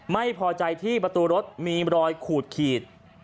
ไม่พอใจที่ประตูรถมีรอยขูดขีด